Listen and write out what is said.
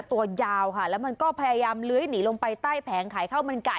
ตัวยาวค่ะแล้วมันก็พยายามเลื้อยหนีลงไปใต้แผงขายข้าวมันไก่